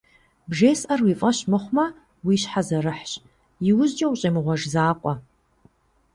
Бжесӏэр уи фӏэщ мыхъумэ, уи щхьэ зэрыхьщ, иужькӏэ ущӏемыгъуэж закъуэ.